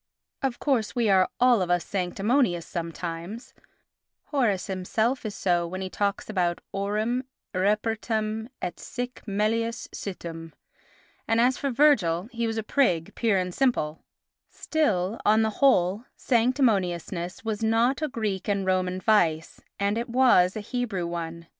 Of course, we are all of us sanctimonious sometimes; Horace himself is so when he talks about aurum irrepertum et sic melius situm, and as for Virgil he was a prig, pure and simple; still, on the whole, sanctimoniousness was not a Greek and Roman vice and it was a Hebrew one.